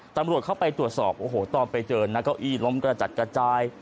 ตำรวจเข้าไปตรวจสอบโอ้โหตอนไปเจอนะเก้าอี้ล้มกระจัดกระจาย